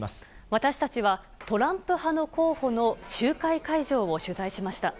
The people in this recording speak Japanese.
私たちはトランプ派の候補の集会会場を取材しました。